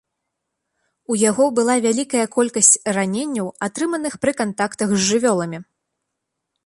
У яго была вялікая колькасць раненняў, атрыманых пры кантактах з жывёламі.